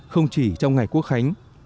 không chỉ trong ngày quốc khánh